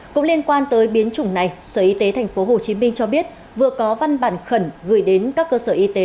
cũng liên quan tới biến chủng này sở y tế tp hcm cho biết vừa có văn bản khẩn gửi đến các cơ sở y tế